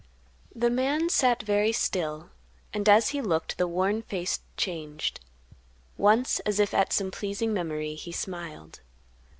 The man sat very still, and as he looked the worn face changed; once, as if at some pleasing memory, he smiled.